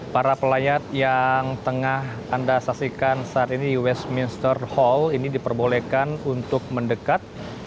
para pelayat yang tengah anda saksikan saat ini di westminster hall ini diperbolehkan untuk mendekat